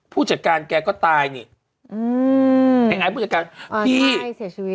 ผู้จัดการแกก็ตายนี่อืมไอ้ไอ้ผู้จัดการพี่ไม่เสียชีวิต